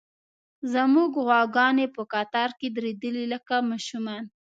زموږ غواګانې په قطار کې درېدلې، لکه ماشومان.